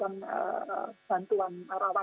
kami juga ini tetangga saya